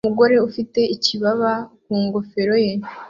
Umugore ufite ikibaba ku ngofero ye